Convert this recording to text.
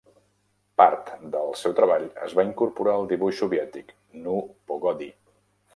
Part del seu treball es va incorporar al dibuix soviètic, Nu Pogodi!